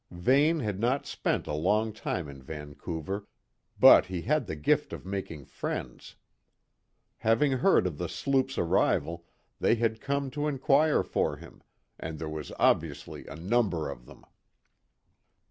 Vane had not spent a long time in Vancouver, but he had the gift of making friends. Having heard of the sloop's arrival, they had come to inquire for him, and there was obviously a number of them.